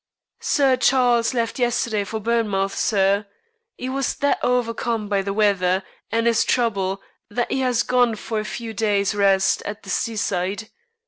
"Sir Chawles left yesterday for Bournemouth, sir. 'E was that hovercome by the weather an' his trouble that 'e has gone for a few days' rest at the seaside.